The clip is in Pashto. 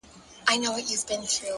اخلاق د شخصیت نه جلا کېدونکی رنګ دی!.